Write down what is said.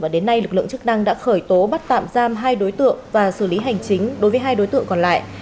đến nay lực lượng chức năng đã khởi tố bắt tạm giam hai đối tượng và xử lý hành chính đối với hai đối tượng còn lại